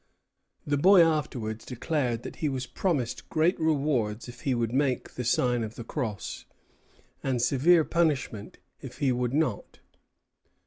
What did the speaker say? The boy afterwards declared that he was promised great rewards if he would make the sign of the cross, and severe punishment if he would not.